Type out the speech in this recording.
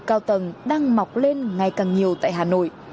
cao tầng đang mọc lên ngày càng nhiều tại hà nội